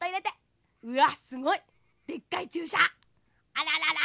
あららら